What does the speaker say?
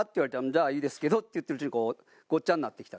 じゃあいいですけど」って言ってるうちにこうごっちゃになってきた。